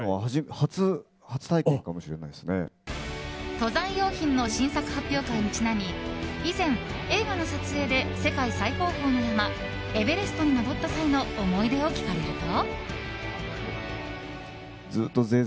登山用品の新作発表会にちなみ以前、映画の撮影で世界最高峰の山、エベレストに登った際の思い出を聞かれると。